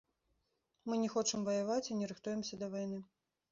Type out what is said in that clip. Мы не хочам ваяваць і не рыхтуемся да вайны.